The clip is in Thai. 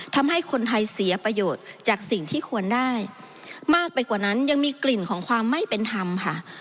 ทำให้คนไทยเสียประโยชน์จากสิ่งที่ควรได้มากไปกว่านั้นยังมีกลิ่นของความไม่เป็นธรรมค่ะ